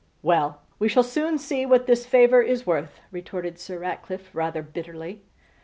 'Well! we shall soon see what this favour is worth,' retorted Sir Ratcliffe, rather bitterly.